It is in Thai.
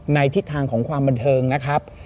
ทิศทางของความบันเทิงนะครับ